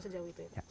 jauh itu ya pak